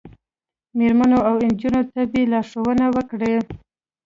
میرمنو او نجونو ته به لارښوونه وکړي